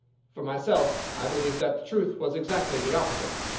For myself I believe that the truth was exactly the opposite.